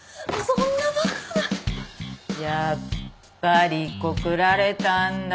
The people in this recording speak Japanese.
やっぱり告られたんだ？